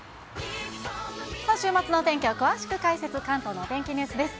週末のお天気を詳しく解説、関東のお天気ニュースです。